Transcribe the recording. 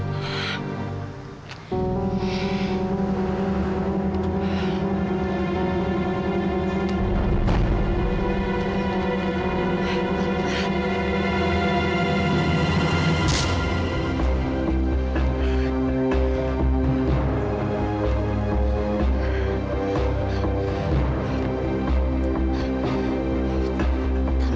akhirnya ketemu juga di sini